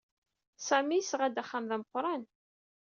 Sami yesɣa-d axxam d ameqran.